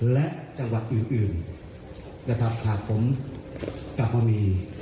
และจังหวัดอื่นนะครับหากผมกลับมามี